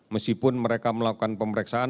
meskipun mereka melakukan pemeriksaan